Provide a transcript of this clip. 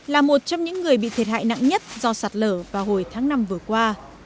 là một trong những người bị thiệt hại nặng nhất do sạt lở vào hồi tháng năm vừa qua